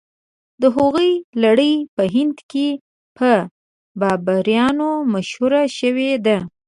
د هغوی لړۍ په هند کې په بابریانو مشهوره شوې ده.